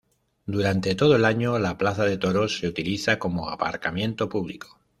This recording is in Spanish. Durante todo el año, la plaza de toros se utiliza como aparcamiento público.